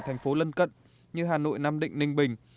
thành phố lân cận như hà nội nam định ninh bình